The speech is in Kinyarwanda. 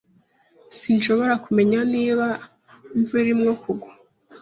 Sinshobora kumenya niba imvura irimo kugwa.